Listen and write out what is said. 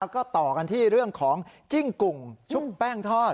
ก็ต่อกันที่เรื่องของจิ้งกุ่งชุบแป้งทอด